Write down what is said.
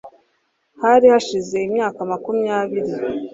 hari hashize imyaka makumyabiri